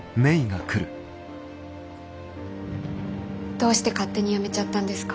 どうして勝手に辞めちゃったんですか。